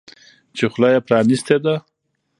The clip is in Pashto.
چې خوله یې پرانیستې ده.